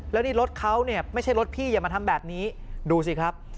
แล้วหลบเขาไม่ใช่รถพี่อย่ามาทำแบบนี้ดูสิครับ